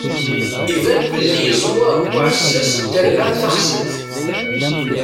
Iban belli yeẓwer uɛessas n terbaɛt taxṣimt.